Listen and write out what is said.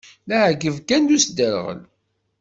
D aεyyeb kan d usderɣel.